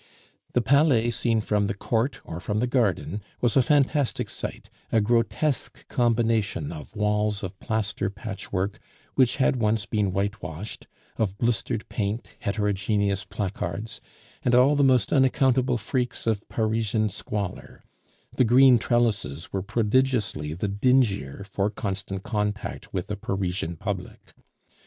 The Palais seen from the court or from the garden was a fantastic sight, a grotesque combination of walls of plaster patchwork which had once been whitewashed, of blistered paint, heterogeneous placards, and all the most unaccountable freaks of Parisian squalor; the green trellises were prodigiously the dingier for constant contact with a Parisian public.